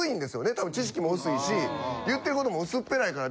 多分知識も薄いし言ってることも薄っぺらいから。